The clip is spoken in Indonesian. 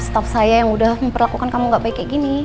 staff saya yang udah memperlakukan kamu gak baik kayak gini